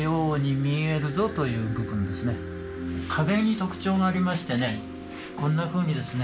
壁に特徴がありましてねこんなふうにですね